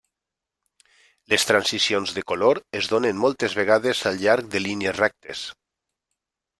Les transicions de color es donen moltes vegades al llarg de línies rectes.